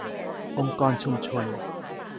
องค์กรชุมชน